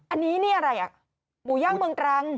อันนี้นี่อะไรอ่ะหมูย่างเมืองตรัง